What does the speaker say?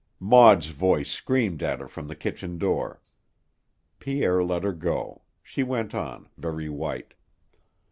Maud's voice screamed at her from the kitchen door. Pierre let her go. She went on, very white.